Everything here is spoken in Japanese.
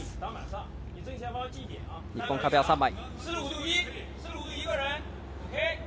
日本、壁は３枚。